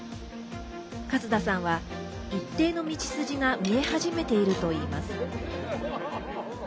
勝田さんは一定の道筋が見え始めているといいます。